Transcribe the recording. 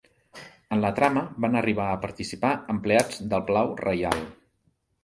En la trama van arribar a participar empleats del Palau Reial.